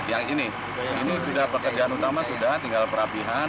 yang ini ini sudah pekerjaan utama sudah tinggal perapihan